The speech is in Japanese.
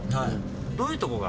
どういうところが？